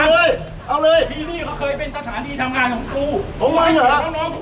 เอาเลยเอาเลยทีนี้เขาเคยเป็นตรฐานที่ทำงานของกู